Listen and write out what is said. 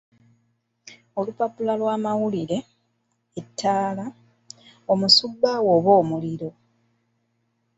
"Olupapula lw’amawulire, ettaala, omusubbaawa oba omuliro?"